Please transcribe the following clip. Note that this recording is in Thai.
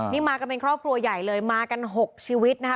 นี่มากันเป็นครอบครัวใหญ่เลยมากัน๖ชีวิตนะคะ